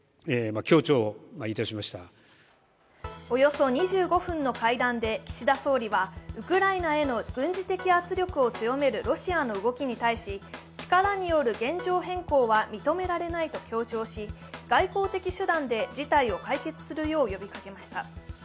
およそ２５分の会談で岸田総理はウクライナへの軍事的圧力を強めるロシアの動きに対し、力による現状変更は認められないと強調し外交的手段で事態を解決するよう呼びかけました。